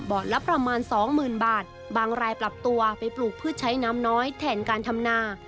ละประมาณสองหมื่นบาทบางรายปรับตัวไปปลูกพืชใช้น้ำน้อยแทนการทำนา